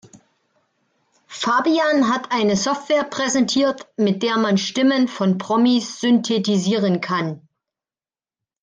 Fabian hat eine Software präsentiert, mit der man Stimmen von Promis synthetisieren kann.